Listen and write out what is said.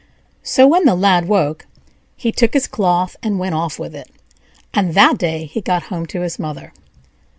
So, when the Lad woke, he took his cloth and went off with it, and that day he got home to his mother.